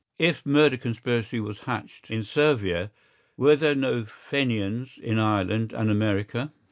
If murder conspiracy was hatched in Servia, were there no Fenians in Ireland and America?